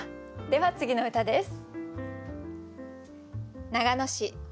では次の歌です。